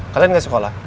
kalian gak sekolah